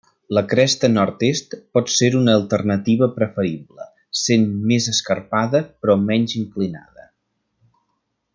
La cresta nord-est pot ser una alternativa preferible, sent més escarpada però menys inclinada.